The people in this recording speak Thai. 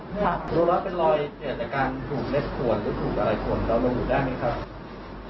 ดูแล้วเป็นรอยเกิดจากการถูกเม็ดขวดหรือถูกอะไรขดเราลงอยู่ได้ไหมครับ